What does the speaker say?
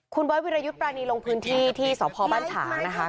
คุณบ้อยวิรยุดปรานีลงพื้นที่ที่สหพาลบ้านฉ่างนะคะ